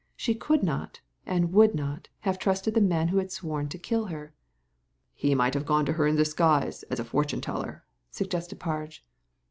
She could not, and would not, have trusted the man who had sworn to kill her." " He might have gone to her disguised as a fortune teller," suggested Parge.